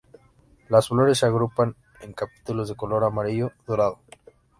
Las flores se agrupan en capítulos de color amarillo dorado.